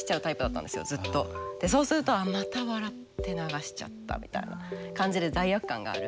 でそうすると「あっまた笑って流しちゃった」みたいな感じで罪悪感がある。